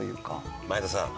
前田さん